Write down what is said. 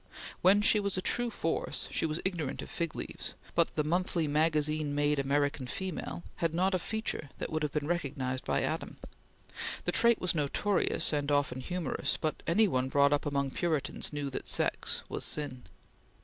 When she was a true force, she was ignorant of fig leaves, but the monthly magazine made American female had not a feature that would have been recognized by Adam. The trait was notorious, and often humorous, but any one brought up among Puritans knew that sex was sin.